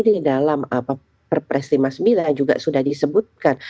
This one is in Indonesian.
di dalam perpres lima puluh sembilan juga sudah disebutkan